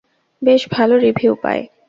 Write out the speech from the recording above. বেশ ভালো রিভিউ পায়।